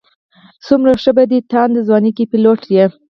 څومره ښه په دې تانده ځوانۍ کې پيلوټ یې.